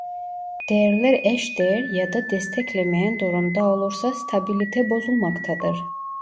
Değerler eş değer ya da desteklemeyen durumda olursa stabilite bozulmaktadır